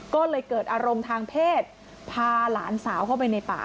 ก็เลยเกิดอารมณ์ทางเพศพาหลานสาวเข้าไปในป่า